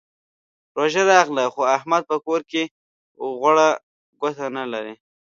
روژه راغله؛ خو احمد په کور کې غوړه ګوته نه لري.